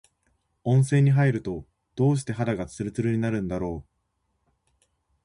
温泉に入ると、どうして肌がつるつるになるんだろう。